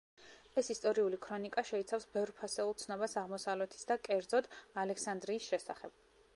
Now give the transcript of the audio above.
ეს ისტორიული ქრონიკა შეიცავს ბევრ ფასეულ ცნობას აღმოსავლეთის და, კერძოდ, ალექსანდრიის შესახებ.